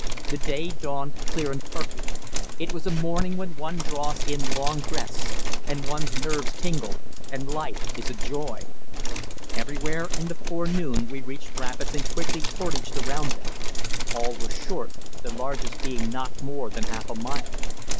The day dawned clear and perfect; it was a morning when one draws in long breaths, and one's nerves tingle, and life is a joy. Early in the forenoon we reached rapids and quickly portaged around them; all were short, the largest being not more than half a mile.